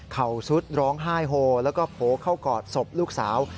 สุดร้องไห้โฮแล้วก็โผล่เข้ากอดศพลูกสาว